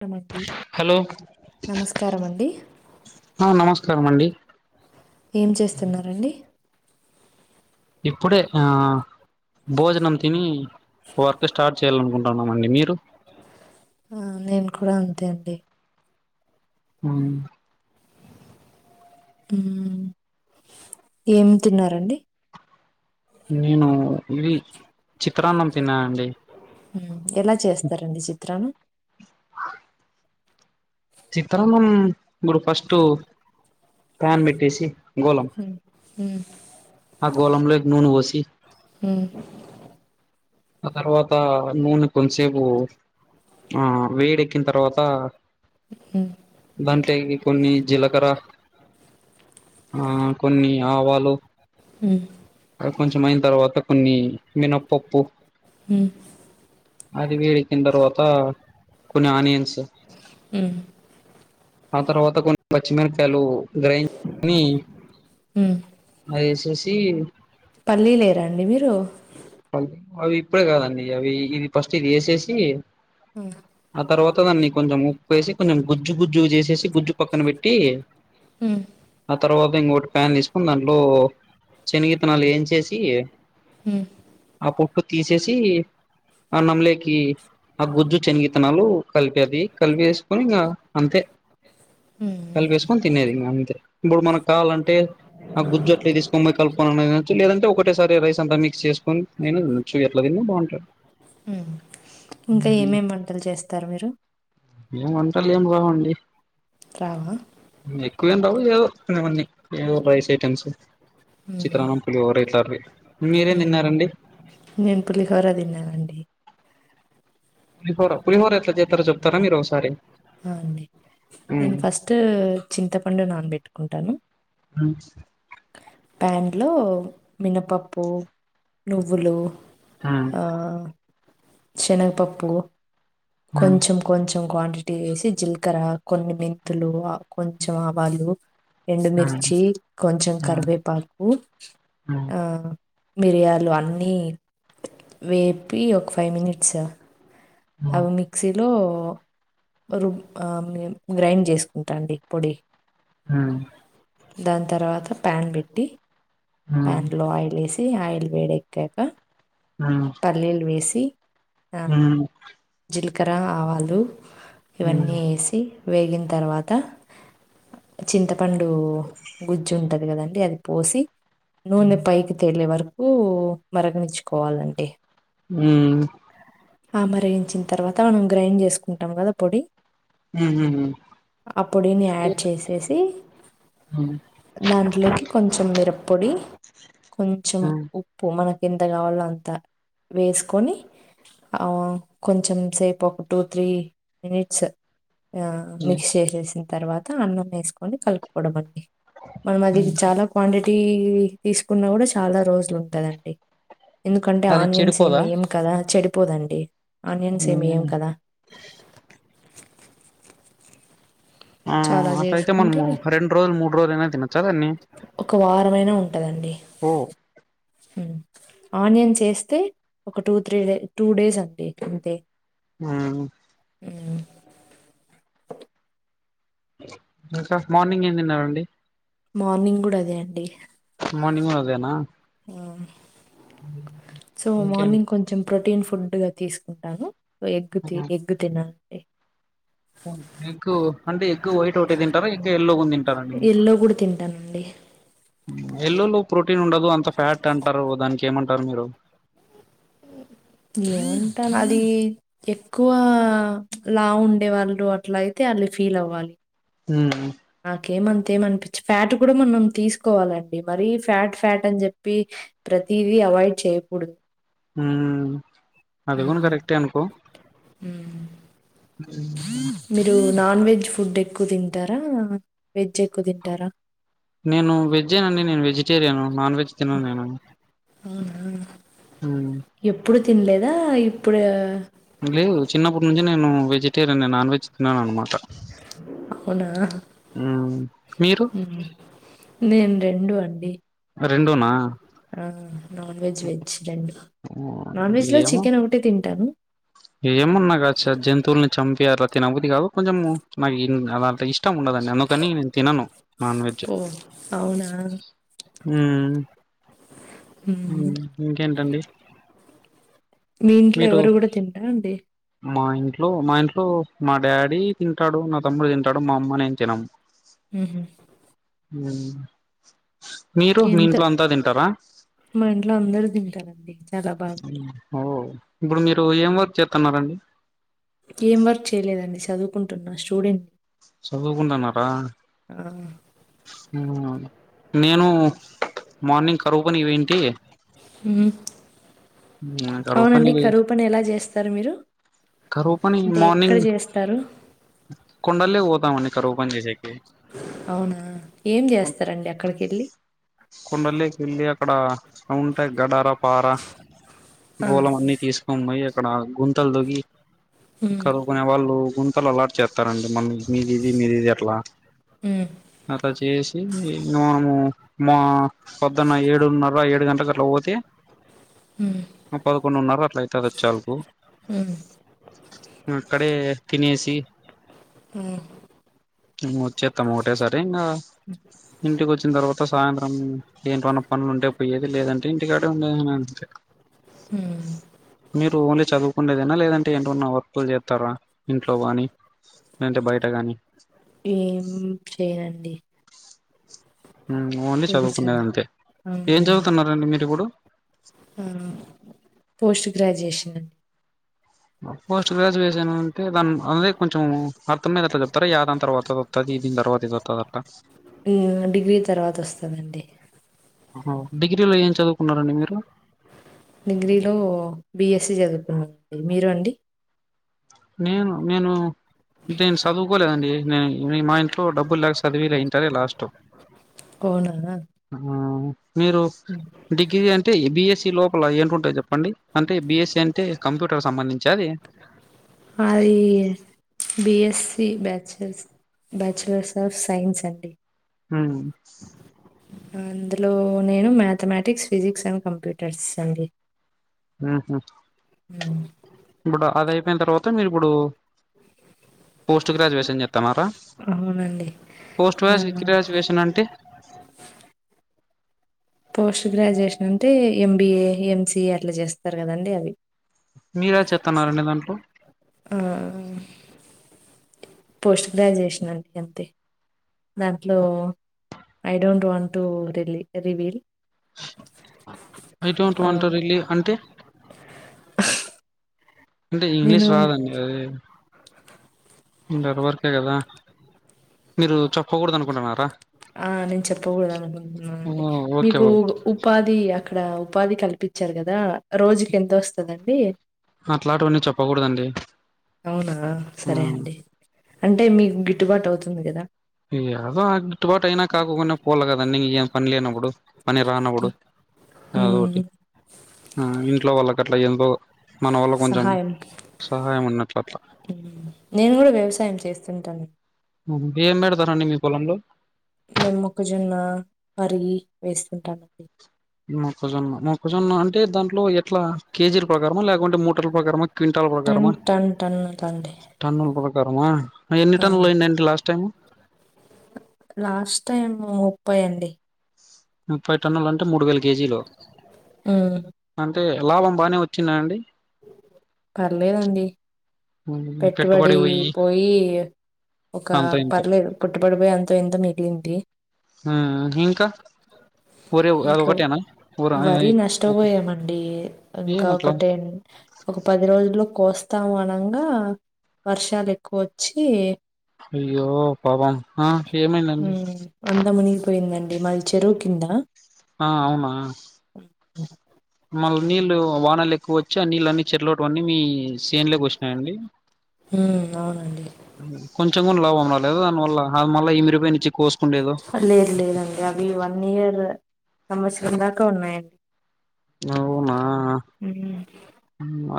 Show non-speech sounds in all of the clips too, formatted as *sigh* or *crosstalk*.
*unintelligible* మండి hello నమస్కారం అండి ఆ నమస్కారం అండి ఏం చేస్తున్నారండి ఇప్పుడే ఆ భోజనం తిని వర్క్ స్టార్ట్ చేయాలనుకుంటున్నామండి మీరు ఆ నేను కూడా అంతే అండి హమ్ ఉమ్ ఏం తిన్నారండి నేను ఇది చిత్రాన్నం తిన్నానండి మ్ ఎలా చేస్తారండి చిత్రామ్ చిత్రన్నం ఇప్పుడు ఫస్టు ఫ్యాన్ పెట్టేసి గోలం మ్మ్ మ్మ్ ఆ గోలం లోకి నూనె పోసి హమ్ ఆ తర్వాత నూనె కొంసేపు ఆ వేడెక్కిన తర్వాత మ్ దాంట్లో ఇవి కొన్ని జిలకర ఆ కొన్ని ఆవాలు మ్ తర్వాత కొంచం అయిన తర్వాత కొన్ని మినప్పప్పు హమ్ అది వేడిక్కిన తర్వాత కొన్ని ఆనియన్స్ మ్ ఆ తర్వాత కొన్ని పచ్చిమిరక్కాయలు బ్రెయిన్ *unintelligible* అని మ్మ్ అది యేశేషి పల్లీలు వెయ్యరాండి మీరు అవ్ అవి ఇప్పుడే కాదండి అవి ఇది పస్ట్ ఇది యేసేసి మ్ ఆ తర్వాత దాన్ని కొంచెం ఉప్పు వేసి కొంచెం గుజ్జు గుజ్జు చేసేసి గుజ్జు పక్కన పెట్టి ఉమ్ ఆ తర్వాత ఇంగోటి ప్యాన్ తీసుకొని దాంట్లో శనగిత్తానాలు ఏంచేసి హమ్ ఆ పోట్టు తీసేసి అన్నంమ్లేకి ఆ గుజ్జు శనగిత్తానాలు కలిపేది కలిపి వేసుకొని ఇంగా అంతే మ్మ్ కలిపేసుకొని తినేది ఇంగ అంతే ఇప్పుడు మనకు కావాలంటే ఆ గుజ్జు అట్లే తీసుకోని పోయి కల్పుకోనన్న తినొచ్చు లేదంటే ఒకటేసారి రైస్ అంత మిక్స్ చేసు కొని నేను చి అట్ల తిన్న బావుంటది మ్ ఇంక ఏమేమి వంటలు చేస్తారు మీరు ఏం వంటల్ ఏమీ రావండి రావా ఎక్కువ ఏమీ రావు ఏదో ఇవన్నీ ఏదో రైస్ ఐటెమ్స్ మ్మ్ చిత్రన్నం పులిహోర ఇట్లాటివి మీరేం మ్మ్ తిన్నారండి నేను పులిహోర తిన్నానండి పులిహోర పులిహోర ఎట్ల చెత్తరో చెప్తారా మీరు ఒసారి ఆ అండి నేను ఫస్టు చింతపండు నానబెట్టుకుంటాను ప్యాన్ లో మినపప్పు నువ్వులు ఆ ఆ శనగపప్పు మ్మ్ కొంచెం కొంచెం క్వాంటిటి వేసి జీలకర్ర కొన్ని మెంతులు కొంచెం ఆవాలు మ్మ్ మ్మ్ ఎండుమిర్చి కొంచెం మ్మ్ మ్మ్ మ్మ్ మ్మ్ మ్మ్ మ్మ్ మ్మ్ మ్మ్ మ్మ్ కరివేపాకు ఆ మిర్యాలు అన్నీ వేపి ఒక ఫై మినిట్స్ అవి మిక్సీలో రుబ్ ఆ గ్రైండ్ చేసుకుంటా అండి పొడి ఉమ్ దాని తర్వాత ప్యాన్ పెట్టి ప్యాన్లో ఆయిల్ వేసి ఈ ఆయల్ వేడి ఎక్కకా ఆ పల్లీలు వేసి హ్మ్ జీలకర్ర ఆవాలు ఇవన్నీ ఎసి వేగిన తర్వాత చింతపండు గుజ్జు ఉంటది గదండి అది పోసి నూనె పైకి తేలే వరకు మరగనిచ్చుకోవాలండి మ్ ఆ మరిగించిన తర్వాత మనం గ్రైండ్ చేసుకుంటాం గదా పొడి మ్ మ్ ఆ పొడిని యాడ్ చేసేసి మ్మ్ దాంట్లోకి కొంచెం మిరపొడి కొంచెం మ్మ్ మ్మ్ ఉ ప్పు మనకి ఎంత గావాలో అంత వేసుకొని ఆ కొంచెం సేపు ఒక టూ త్రీ మినిట్స్ ఆ మిక్స్ చేసేసిన తర్వా త అన్నం వేసుకొని కలుపుకోడం అండి మనం అది చాలా క్వాంటిటీ తీసుకున్న గూడ చాలా రోజులు ఉంటదండి ఎందుకంటె అది ఆనియన్స్ ఏం చెడిపోదా వేయం కదా చెడిపోదండి ఆనియన్స్ ఏం వేయం కదా ఆ సో, అలా అట్లైతే చేసుకుంటే మనము రెండు రోజులు మూడు రోజులు అయినా తినొచ్చా దాన్ని ఒక వారం అయినా ఉంటదండి ఓ మ్ ఆనియన్స్ ఎస్తే ఒక టూ తత్రి డె టూ డేస్ అండి అంతే ఉమ్ మ్ ఇంక మార్నింగ్ ఏం తిన్నారండి మార్నింగ్ గూడ అదే అండి. మార్నింగు కూడా అదేనా? ఆ సో ఇంకేం మార్నింగ్ కొంచెం ప్రొటీన్ ఫుడ్ గా తీసుకుంటాను. ఎగ్ తినను అండి. ఎగ్ అంటే ఎగ్ వైట్ ఒటే తింటారా? ఎగ్ ఎల్లో గూన తింటారండి మీరు? యెల్లో కూడా తింటానండి. యెల్లోలో ప్రోటీన్ ఉండదు అంతా ఫ్యాట్ అంటారు దానికి ఏమంటారు మీరు? ఏమంటాను అదీ ఎక్కువ లావు ఉండే వాళ్ళు అట్ల అయితే వాళ్ళు ఫీల్ అవ్వాలి. మ్ నాకేమంతేమనిపించదు. ఫ్యాట్ కూడ మనం తీసుకోవాలండి, మరీ ఫ్యాట్ ఫ్యాట్ అని చెప్పి ప్రతీది అవాయిడ్ చేయ్యకూడదు. మ్ అది గూన కరెక్టే అనుకో మ్ మీరు నాన్ వెజ్ ఫుడ్ ఎక్కువ తింటారా? వెజ్ ఎక్కువ తింటారా? నేను వెజ్జే నండి నేను వెజిటేరియన్. నాన్ వెజ్ తినను నేను మ్ హూ మ్మ్ ఎప్పుడు తినలేదా? ఇప్పుడా లేదు చిన్నప్పటి నుంచి నేను వెజిటేరియనే. నాన్ వెజ్ తినను అన్నమాట. అవునా మ్ మీరు నేను రెండూ అండి. అ రెండూనా? ఆ నాన్ వెజ్, వెజ్ రెండూ. ఏమో, ఏమన్నా కానీ ఆ జంతువులని చంపి అట్లా తినబుద్ది గాదు. కొంచెము నాకు అలా అట్లా ఇష్టం ఉండదండీ అందుకని నేను తినను. నాన్ వెజ్ ఓహ్! అవునా? మ్ హ్మ్. మ్ ఇంకేంటండి? మీ ఇంట్లో మీరు ఎవరూ గూడ తినరా అండి? మా ఇంట్లో మా ఇంట్లో మా డాడీ తింటాడు. నా తమ్ముడు తింటాడు. మా అమ్మ నేను తినము. మ్ హు మ్ మీరు మీ ఎంత ఇంట్లో అంతా తింటారా? మా ఇంట్లో అందరూ తింటారండి. చాలా బాగా. ఓ ఇప్పుడు మీరు ఏం వర్క్ చేత్తాన్నారండి? ఏం వర్క్ చేయలేదండి. చదువుకుంటున్నా స్టూడెంటు ని చదువుకుంటున్నారా? నేను మార్నింగ్ కరువు పనికి పోయింటి మ్ కరువు పని అవునండి కరువు పని ఎలా చేస్తారు మీరు? కరువు పని అంటే ఎక్కడ మార్నింగ్ జేస్తారు? కొండల్లేకి పోతామండి కరవు పని చేసేకి. అవునా ఏం చేస్తారండి అక్కడికి వెళ్లి కొండల్లోకి వెళ్ళి అక్కడ అవుంటయ్ గడార, పార ఆ! గోలం అన్ని తీసుకొని పోయి అక్కడ గుంతలు తొవ్వి హ్మ్. కరువు కొనే వాళ్ళు గుంతలు అలాట్ చేస్తారండి మన మీది ఇది మీది ఇది అట్లా హ్మ్. అట్లా చేసి ఇంగ మనమూ మా పొద్దున్న ఏడున్నర, ఏడు గంటల కట్లా పోతే మ్ పదకొండున్నర అట్లా అయితాది వచ్చే వరకు. మ్ అక్కడే తినేసి మ్ ఇంగ వచ్చేత్తం ఒటేసారి ఇంగ ఇంటికి వచ్చిన తర్వాత సాయంత్రం ఏంటివన్న పనులు ఉంటే పోయేది లేదంటే ఇంటి కాడే ఉండేది ఇంగ అంతే. మ్ మీరు ఓన్లీ చదువుకుండేదేనా లేదంటే ఏంటివన్నా వర్క్లు చేత్తారా ఇంట్లో గానీ. లేదంటే బయట గాని ఏం చేయనండి. ఓన్లీ చూపించాను చదువుకునేది అంతే ఏం అవునండి చదువుతున్నారండి మీరు ఇప్పుడు? పోస్ట్ గ్రాడ్యుయేషన్ అండి. పోస్ట్ గ్రాడ్యుయేషన్ అంటే దాని అదే కొంచెం అర్థమై అట్లా చెప్తారా యా దాని తర్వాతో పది దీని తర్వాత ఇది వత్తాదట్టా ఏవండీ డిగ్రీ తర్వాత వస్తందండి. డిగ్రీలో ఏం చదువుకున్నారండి మీరు? డిగ్రీలో బిఎస్సి చదువుకున్నానండి. మీరు అండి? నేను నేను చదువుకోలేదండి ఏంటిని ఇ మా ఇంట్లో డబ్బు లేక చదివీయలే ఇంటర్ ఏ లాస్ట్. అవునా ఆ మీరు హ్మ్. డిగ్రీ అంటే బిఎస్సి లోపల ఏంటివి ఉంటాయి చెప్పండి అంటే బిఎస్సి అంటే కంప్యూటర్కి సంబంధించా అది. అది B Sc, bachelors of science అండి. మ్ అందులో నేను మ్యాథమెటిక్స్, ఫిజిక్స్ అండ్ కంప్యూటర్స్ అండి. మ్ హూ ఆ *inaudible* ఇప్పుడు అది అయిపోయిన తర్వాత మీరు ఇప్పుడు పోస్ట్ గ్రాడ్యుయేషన్ చెత్తాన్నారా అవునండి పోస్ట్ గ్రా ఆ! గ్రాడ్యుయేషన్ అంటే? పోస్ట్ గ్రాడ్యుయేషన్ అంటే ఎంబీఏ, ఎంసిఏ అట్లా చేస్తారు కదండి అవి. మీరే ఏది చేతన్నారండి దాంట్లో. ఆ మ్ పోస్ట్ గ్రాడ్యుయేషన్ అండి అంతే దాంట్లో I don't want to reveal. I don't ఆ వాంట్ టు రీవిల్ అంటే? అంటే ఇంగ్లీష్ నేను రాదండి అదే ఇంటర్ వరకే కదా మీరు చెప్పకూడదు అనుకుంటున్నారా? ఆ నేను చెప్పకూడదు ఓ అనుకుంటున్నానండి ఓకే మీకు ఓ ఉపాధి అక్కడ ఉపాధి కల్పించారు కదా? రోజుకి ఎంత వస్తాదండీ? అట్లాంటివన్నీ చెప్పకూడదండి. అవునా ఆ సరే అండి అంటే మీకు గిట్టుబాటు అవుతుంది కదా. యాదో ఆ గిట్టుబాటైనా కాకోకున్య పోల్ల గదా అన్నీ ఇగేం పన్ లేనబ్బుడు పని రానబుడు యాదోటి మ్మ్ ఆ ఇంట్లో వాళ్ళకట్ల ఎంతో మన వల్ల కొంచెం సహాయం ఉన్నట్లట్లా ఊ నేన్ గుడ వ్యవసాయం చేస్తుంటాను ఉహు ఏం బెడతారండి మీ పొలంలో మేమ్ మొక్కజొన్న వరి వేస్తుంటాం మొక్కజొన్న మొక్కజొన్న అంటే దాంట్లో ఎట్లా కేజీల్ ప్రకారమా ల్యాకుంటే ముటర్ల ప్రకారమా క్వింటాల్ టన్ ప్రకారమా టన్ టన్ అండి టన్నుల్ ప్రకారమా ఆ ఎన్ని టన్నులైండండి లాస్టైము లాస్టైమూ ముప్పై అండి ముప్పై టన్నులంటే మూడు వేల కేజీలు ఉమ్ అంటే లాభం బానే వచ్చింద అండి పర్లేదండి పెట్టుబడి పోయి ఒకా అంత ఇంత పర్లేదు పుట్టబడిబోయ్ అంతో ఇంతో మిగిలింది ఆ ఇంకా ఊరే ఇంకో అదొకటేనా ఊర వరి నష్టబోయామండి ఇంకా ఏమట్లా ఒకటేన్ ఒక పది రోజుల్లో కోస్తాం అనంగా వర్షాలెక్కువొచ్చి అయ్యో పాపం ఆ ఏమైందండి అందా మునిగిపోయిందండి మాది చెరువు కింద ఆ అవునా ఉ మళ్ళ్ నీళ్లు వానలెక్కువొచ్చి ఆ నీళ్ళన్నీ చెర్లోట్ వన్నీ మీ సేన్ లేకొచ్చినాయండి ఉ అవునండి ఉ కొంచెం గున లాభం రాలేద దానివల్ల హాద్ మళ్ళా ఇమిరిపొయినిచ్చి హ లేద్ లేదండి అవి వన్ ఇయర్ సంవస్తం దాకా ఉన్నాయం అవునా ఉమ్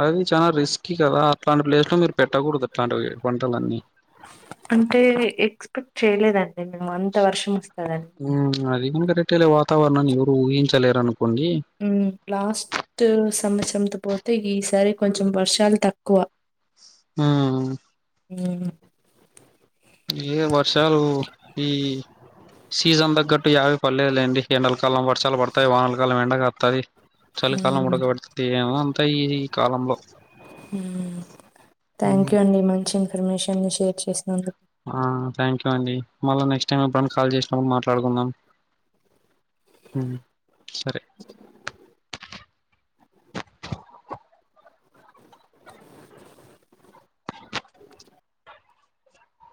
అది చాలా రిస్కీ కదా అట్లాంటి ప్లేస్ లో మీర్ పెట్టగూడదు అట్లాంటివి పంటలన్నీ అంటే ఎక్స్పెక్ట్ చేయలేదండి మేము అంత వర్షం వస్తాదని ఊమ్ అది గూడ కరెక్టే లే వాతావరణాన్ని ఎవురు ఊహించలేరనుకోండి ఊ లాస్టు సంవచ్చరం పోల్తే ఈ సారి కొంచెం వర్షాలు తక్కువ ఆ ఊ ఇఏ వర్షాలు ఈ సీజన్ దగ్గట్టు యావి పల్లెదు లేండి ఎండల్ కలం వర్సాలు బడుతాయ్ వాండ్లకాలం ఎండ గాత్తది చలికాలం హ్మ్ ఉడకబెడుతుందెమో అంతా ఈ ఈ కాలంలో ఉ థ్యాంక్ ఉమ్ యూ అం మీ మంచి ఇన్ఫర్మేషన్లి షేర్ చేస్నందు ఆ థ్యాంక్ యూ అండి మళ్ళ నెక్ట్ టైమ్ ఎబ్బుడన్న కాల్ జేస్ నబ్బుడు మా ట్లాడుకుందాం ఉమ్ సరే